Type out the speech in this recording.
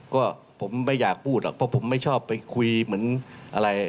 ก็ผมไม่อยากพูดหรอกเพราะผมไม่ชอบไปคุยเหมือนอะไร